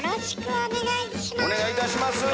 お願いいたします。